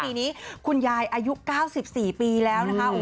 ปีนี้คุณยายอายุ๙๔ปีแล้วนะคะ